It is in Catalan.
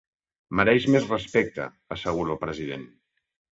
Mereix més respecte, assegura el president.